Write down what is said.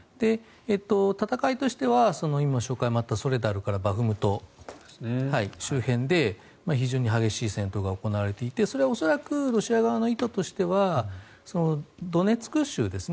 戦いとしては今、紹介もあったソレダルからバフムト周辺で非情に激しい戦闘が行われていてそれは恐らくロシア側の意図としてはドネツク州ですね。